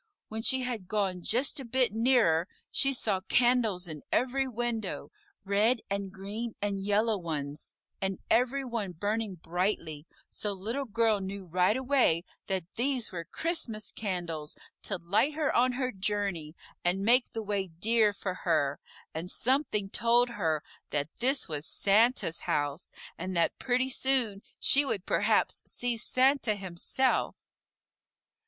When she had gone just a bit nearer, she saw candles in every window, red and green and yellow ones, and every one burning brightly, so Little Girl knew right away that these were Christmas candles to light her on her journey, and make the way dear for her, and something told her that this was Santa's house, and that pretty soon she would perhaps see Santa himself.